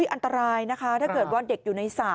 อันตรายนะคะถ้าเด็กอยู่ในสระ